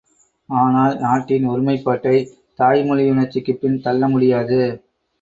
ஆனால், நாட்டின் ஒருமைப்பாட்டை தாய்மொழியுணர்ச்சிக்கு பின் தள்ள முடியாது.